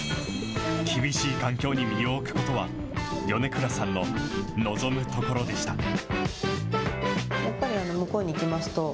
厳しい環境に身を置くことは、米倉さんの望むところでした。